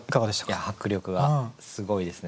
いや迫力がすごいですね。